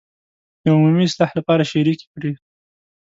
د عمومي اصلاح لپاره شریکې کړي.